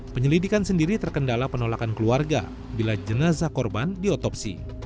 penyelidikan sendiri terkendala penolakan keluarga bila jenazah korban diotopsi